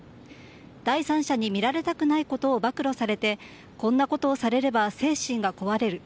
第三者に見られたくないことを暴露されてこんなことをされれば精神が壊れる。